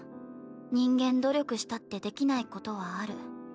人間努力したってできないことはある。